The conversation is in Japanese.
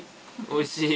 おいしい？